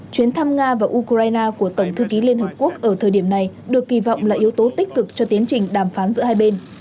chuyến thăm nga và ukraine của tổng thư ký liên hợp quốc ở thời điểm này được kỳ vọng là yếu tố tích cực cho tiến trình đàm phán giữa hai bên